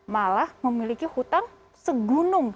malah memiliki hutang segunung